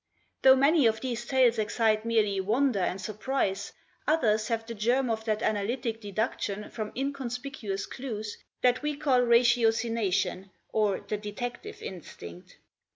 Though many of these tales excite merely wonder and surprise, others have the germ of that analytic deduction from inconspicuous clues, that we call ratiocination, or the detective instinct.